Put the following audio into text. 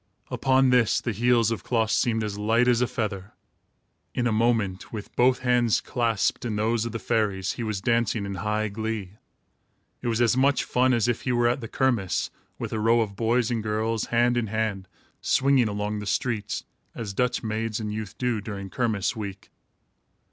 Upon this, the heels of Klaas seemed as light as a feather. In a moment, with both hands clasped in those of the fairies, he was dancing in high glee. It was as much fun as if he were at the kermiss, with a row of boys and girls, hand in hand, swinging along the streets, as Dutch maids and youth do, during kermiss week.